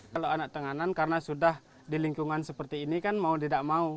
kalau anak tenganan karena sudah di lingkungan seperti ini kan mau tidak mau